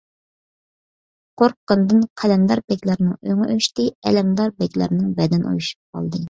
قورققىنىدىن قەلەمدار بەگلەرنىڭ ئۆڭى ئۆچتى، ئەلەمدار بەگلەرنىڭ بەدىنى ئۇيۇشۇپ قالدى.